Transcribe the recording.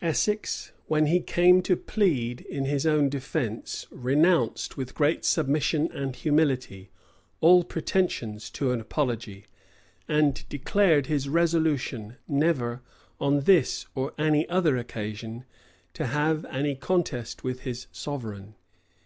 Essex, when he came to plead in his own defence renounced, with great submission and humility, all pretensions to an apology;[*] and declared his resolution never, on this or any other occasion, to have any contest with his sovereign.